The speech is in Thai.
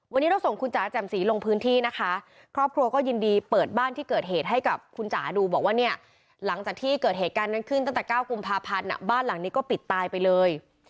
วันนี้เราส่งคุณจ๋าแจ่มสีลงพื้นที่นะคะครอบครัวก็ยินดีเปิดบ้านที่เกิดเหตุให้กับคุณจ๋าดูบอกว่าเนี่ยหลังจากที่เกิดเหตุการณ์นั้นขึ้นตั้งแต่๙กุมภาพันธ์บ้านหลังนี้ก็ปิดตายไปเลย